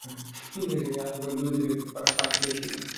নিরাশ হইয়া আবার নীরবে দেয়ালের দিকে মুখ করিয়া পাশ ফিরিয়া শুইল।